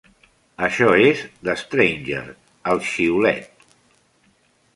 Això és 'The Stranger', el xiulet.